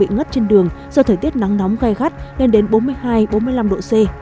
ngất trên đường do thời tiết nắng nóng gai gắt lên đến bốn mươi hai bốn mươi năm độ c